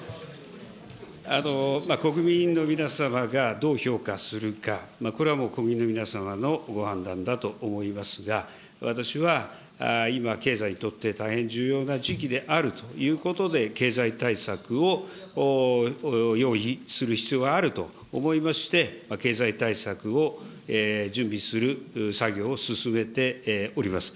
国民の皆様がどう評価するか、これはもう国民の皆様のご判断だと思いますが、私は今、経済にとって大変重要な時期であるということで、経済対策を用意する必要があると思いまして、経済対策を準備する作業を進めております。